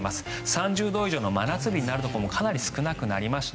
３０度以上の真夏日になるところかなり少なくなりました。